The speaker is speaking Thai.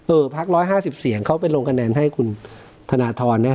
เออพักร้อยห้าสิบเสียงเข้าไปลงคะแนนให้คุณธนาธรเนี่ย